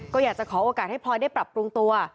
ก็อยากจะขอโอกาสให้พลอยได้ปรับปรุงตัว